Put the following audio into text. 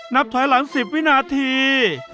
นับถอยหลัง๑๐วินาที